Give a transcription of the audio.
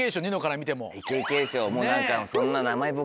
もう何か。